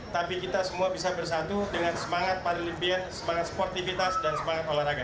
tapi kita semua bisa bersatu dengan semangat paralimpian semangat sportivitas dan semangat olahraga